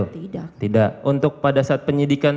tidak tidak untuk pada saat penyidikan